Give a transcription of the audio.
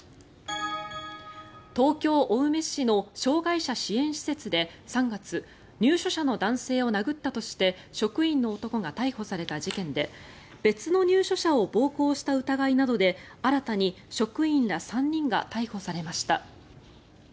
東京・青梅市の障害者支援施設で３月入所者の男性を殴ったとして職員の男が逮捕された事件で別の入所者を暴行した疑いなどで新たに職員ら３人が逮捕されました。